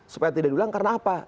supaya tidak diulang karena apa